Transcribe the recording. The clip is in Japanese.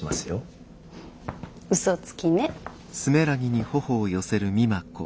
うそつきね。